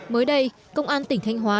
mới đây công an tỉnh thanh hóa